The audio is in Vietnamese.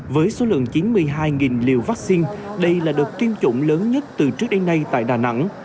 với số lượng chín mươi hai liều vaccine đây là đợt tiêm chủng lớn nhất từ trước đến nay tại đà nẵng